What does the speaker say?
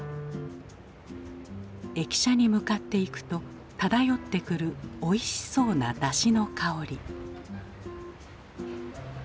駅舎に向かっていくと漂ってくるおいしそうな出汁の香り。